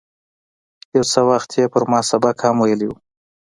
یو څه وخت یې پر ما سبق هم ویلی و.